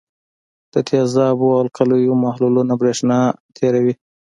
د تیزابونو او القلیو محلولونه برېښنا تیروي.